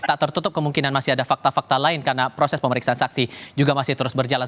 tak tertutup kemungkinan masih ada fakta fakta lain karena proses pemeriksaan saksi juga masih terus berjalan